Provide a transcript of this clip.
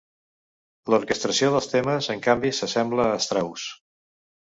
L'orquestració dels temes, en canvi, s'assembla a Strauss.